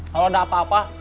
kalau ada apa apa